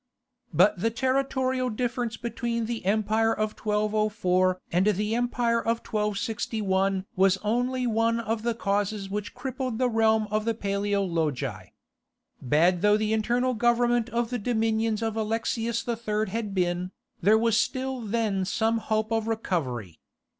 But the territorial difference between the empire of 1204 and the empire of 1261 was only one of the causes which crippled the realm of the Paleologi. Bad though the internal government of the dominions of Alexius III. had been, there was still then some hope of recovery.